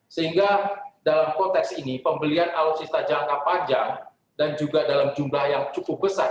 sehingga dalam konteks ini pembelian alutsista jangka panjang dan juga dalam jumlah yang cukup besar